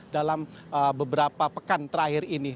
dalam beberapa pekan terakhir ini